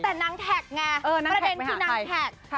แต่นางแท็กไงประเด็นคือนางแท็ก